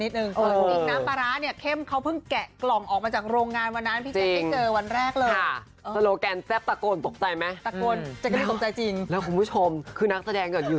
คือถือเข้ามาก็ไม่รู้ว่าจะได้สัมภาษณ์